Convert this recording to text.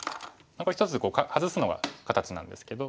これ一つハズすのが形なんですけど。